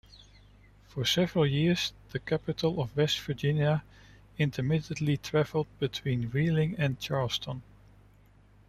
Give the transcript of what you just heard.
For several years, the capital of West Virginia intermittently traveled between Wheeling and Charleston.